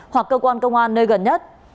hoặc cơ quan công an nơi gần nhất